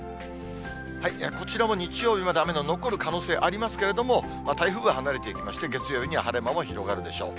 こちらも日曜日まで雨の残る可能性ありますけれども、台風は離れていきまして、月曜日には晴れ間も広がるでしょう。